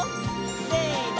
せの！